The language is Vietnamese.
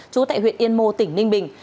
trú tại huyện yên mô tỉnh ninh bình